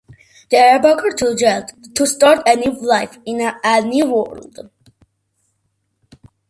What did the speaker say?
They embark to Jadd to start a new life in a new world.